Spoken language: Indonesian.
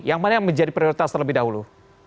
yang mana yang menjadi prioritas terlebih dahulu